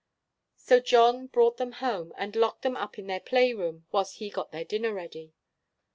So John brought them home, and locked them up in their play room, whilst he got their dinner ready.